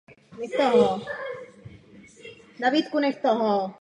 Je řízena Okresním fotbalovým svazem Třebíč.